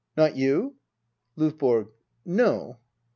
] Not you.'' LdVBORG. No.